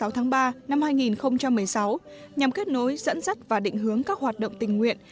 hai mươi tháng ba năm hai nghìn một mươi sáu nhằm kết nối dẫn dắt và định hướng các hoạt động tình nguyện